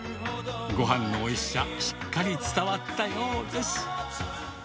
ごはんのおいしさ、しっかり伝わったようです。